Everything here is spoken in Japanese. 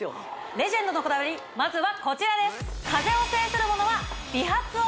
レジェンドのこだわりまずはこちらです